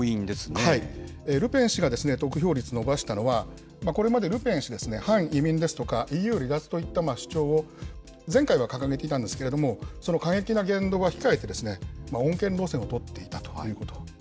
ルペン氏が得票率、伸ばしたのは、これまでルペン氏ですね、反移民ですとか、ＥＵ離脱といった主張を、前回は掲げていたんですけれども、その過激な言動は控えてですね、穏健路線を取っていたということです。